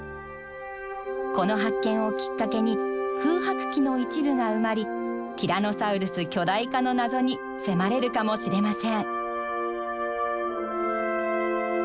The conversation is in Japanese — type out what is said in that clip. この発見をきっかけに空白期の一部が埋まりティラノサウルス巨大化の謎に迫れるかもしれません。